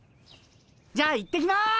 じゃあ行ってきます。